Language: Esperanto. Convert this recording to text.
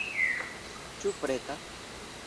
Ĉu preta?